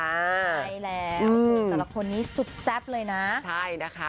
ใช่แล้วแต่ละคนนี้สุดแซ่บเลยนะใช่นะคะ